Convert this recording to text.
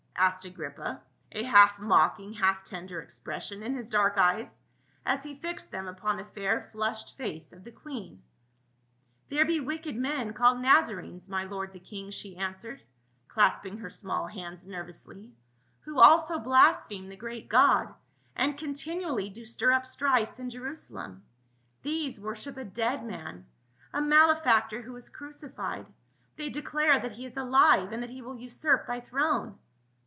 asked Agrippa, a half mocking, half tender expression in his dark eyes, as he fixed them upon the fair flushed face of the queen. THE KING OF THE JEWS. 247 " There be wicked men called Nazarenes, my lord the king," she answered, clasping her small hands nervously, " who also blaspheme the great God, and continually do stir up strifes in Jerusalem ; these wor ship a dead man — a malefactor who was crucified. They declare that he is alive, and that he will usurp thy throne."